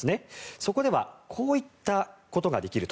そこではこういったことができると。